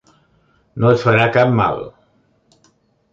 No et farà cap mal.